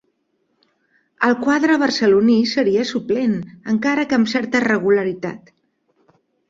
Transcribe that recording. Al quadre barceloní seria suplent, encara que amb certa regularitat.